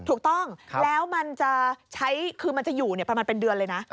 ถูกต้องแล้วมันจะใช้คือมันจะอยู่ประมาณเป็นเดือนเลยนะ